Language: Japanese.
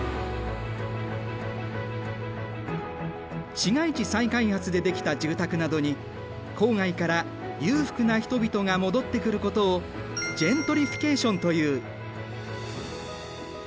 市街地再開発で出来た住宅などに郊外から裕福な人々が戻ってくることをジェントリフィケーションという。